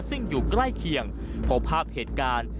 ซึ่งอยู่ใกล้เคียงพบภาพเหตุการณ์